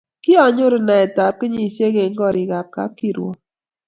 Kianyoru naitaetab kenyisiek eng gorikab kapkirwok